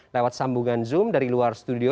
lewat sambungan zoom dari luar studio